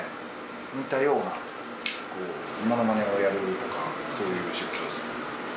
似たような、ものまねをやるとか、そういう仕事ですね。